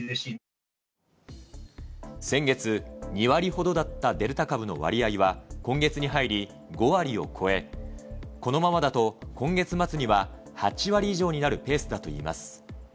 先月、２割ほどだったデルタ株の割合は、今月に入り、５割を超え、このままだと今月末には８割以上になるペースだといいます。